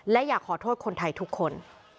และอยากขอโทษคนไทยทุกคน